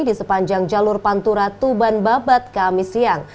di sepanjang jalur pantura tuban babat ke amisiyang